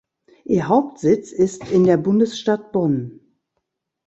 Ihr Hauptsitz ist in der Bundesstadt Bonn.